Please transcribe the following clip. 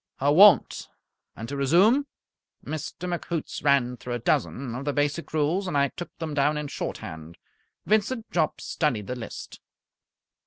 "I won't. And to resume." Mr. McHoots ran through a dozen of the basic rules, and I took them down in shorthand. Vincent Jopp studied the list.